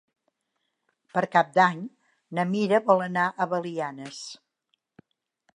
Per Cap d'Any na Mira vol anar a Belianes.